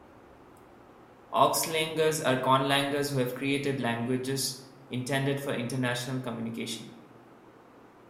"Auxlangers" are conlangers who have created languages intended for international communication.